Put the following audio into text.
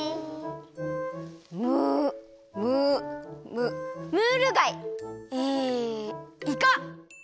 ムムムムールがい！イイカ！